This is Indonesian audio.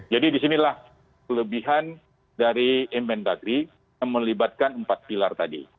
jadi disinilah kelebihan dari invent degree yang melibatkan empat pilar tadi